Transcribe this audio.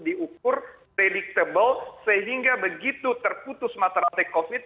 diukur predictable sehingga begitu terputus mata rantai covid